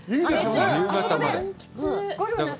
夕方まで。